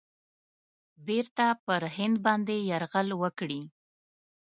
بیرته پر هند باندي یرغل وکړي.